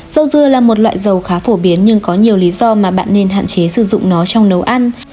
dầu dưa là một loại dầu khá phổ biến nhưng có nhiều lý do mà bạn nên hạn chế sử dụng nó trong nấu ăn